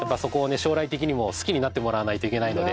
将来的にも好きになってもらわないといけないので。